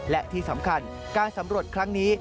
และที่สำคัญการสำรวจครั้งนี้